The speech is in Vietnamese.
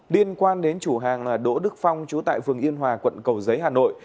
liên quan đến chủ hàng đỗ đức phong trú tại vườn yên hòa quận cầu giấy hà nội